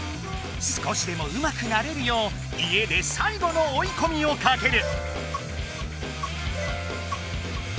少しでもうまくなれるよう家で最後の追いこみをかける！